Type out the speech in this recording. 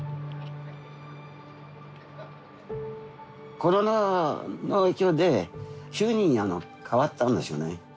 コロナの影響で急に変わったんですよね。